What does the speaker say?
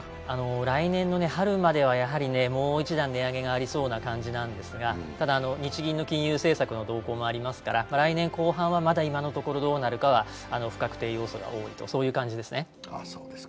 来年の春までは、もう一段、値上げがありそうなんですがただ、日銀の金融政策の動向もありますから、来年後半はまだ今のところどうなるかは、不確定要素が多いと、そういう感じですね。